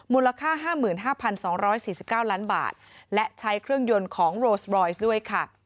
มูลค่า๕๕๒๔๙ล้านบาทและใช้เครื่องยนต์ของโรสบรอยซ์ด้วยค่ะ